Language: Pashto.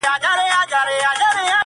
یا شریک دي د ناولو یا پخپله دي ناولي-